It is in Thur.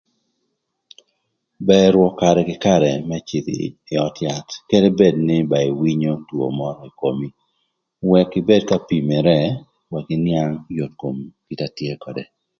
Bër rwök karë kï karë më cïdhï ï öd yath kede bed nï ba iwinyo two mörö kï ï komi wëk ibed ka pimere, wëk ïnïang yot komi kite na tye ködë.